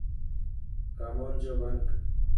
Come on, Joburg.